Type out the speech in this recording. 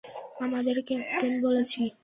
আপনাদের ক্যাপ্টেন বলছি।